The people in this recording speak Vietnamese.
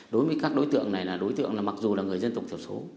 đối với các đối tượng này là đối tượng là mặc dù là người dân tộc thiểu số